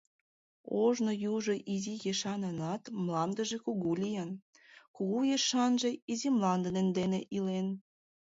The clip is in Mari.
Ожно южо изи ешанынат мландыже кугу лийын, кугу ешанже изи мланде дене илен.